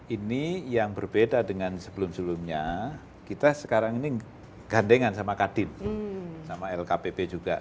ini yang berbeda dengan sebelum sebelumnya kita sekarang ini gandengan sama kadin sama lkpp juga